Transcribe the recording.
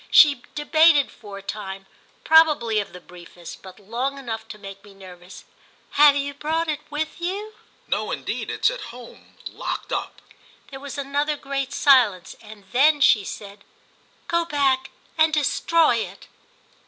She debated for a time probably of the briefest, but long enough to make me nervous. "Have you brought it with you?" "No indeed. It's at home, locked up." There was another great silence, and then she said "Go back and destroy it."